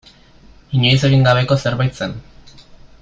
Inoiz egin gabeko zerbait zen.